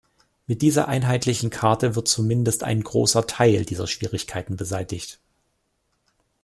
Mit dieser einheitlichen Karte wird zumindest ein großer Teil dieser Schwierigkeiten beseitigt.